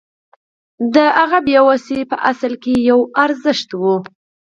د هغه بې وسي په اصل کې یو ارزښت و